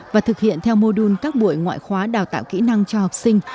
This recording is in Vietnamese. và thực hiện theo mô đun các buổi ngoại khóa đào tạo kỹ năng cho học sinh